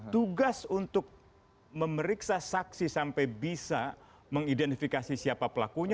tugas untuk memeriksa saksi sampai bisa mengidentifikasi siapa pelakunya